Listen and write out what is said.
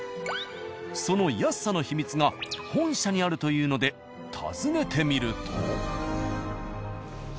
その安さの秘密が本社にあるというので訪ねてみると。